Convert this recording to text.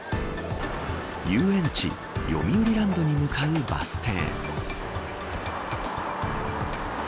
遊園地よみうりランドに向かうバス停。